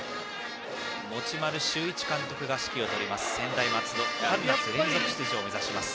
持丸修一監督が指揮を執る専大松戸。春夏連続出場を目指します。